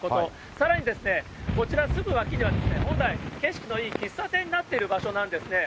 さらにですね、こちら、すぐ脇には本来、景色のいい喫茶店になっている場所なんですね。